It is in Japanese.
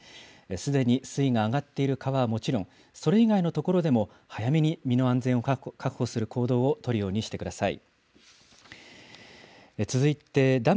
すでに水位が上がっている川はもちろん、それ以外の所でも早めに身の安全を確保する行動を取るようにしてください。